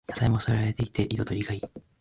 野菜も添えられていて彩りがいい